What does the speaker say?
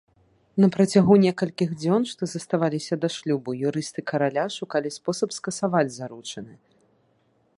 На працягу некалькіх дзён, што заставаліся да шлюбу, юрысты караля шукалі спосаб скасаваць заручыны.